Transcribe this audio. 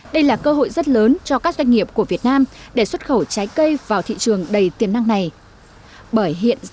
đây là cơ hội rất lớn cho các doanh nghiệp của việt nam để xuất khẩu trái cây thứ ba của việt nam được cấp phép xuất khẩu vào australia sau trái vải thiều và xoài